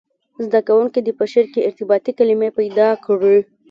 زده کوونکي دې په شعر کې ارتباطي کلمي پیدا کړي.